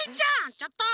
ちょっと！